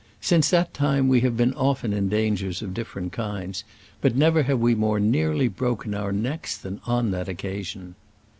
Since that time we have been often in dangers of different kinds, but never have we more nearly broken our necks than upon that occasion.